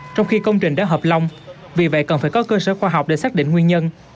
trong khi công trình đã hợp long vì vậy cần phải có cơ sở khoa học để xác định nguyên nhân